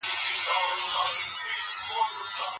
د پوښتنو ازادي د فعال ذهن ښکارندویي کوي.